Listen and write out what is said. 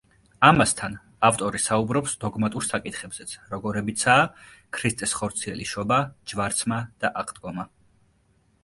ამასთან, ავტორი საუბრობს დოგმატურ საკითხებზეც, როგორებიცაა: ქრისტეს ხორციელი შობა, ჯვარცმა და აღდგომა.